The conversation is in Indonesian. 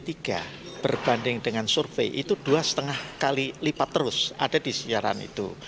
tiga berbanding dengan survei itu dua lima kali lipat terus ada di siaran itu